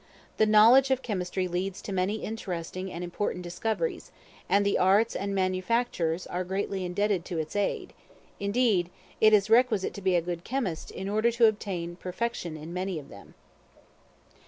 The knowledge of Chemistry leads to many interesting and important discoveries, and the arts and manufactures are greatly indebted to its aid; indeed, it is requisite to be a good chemist, in order to attain to perfection in many of them.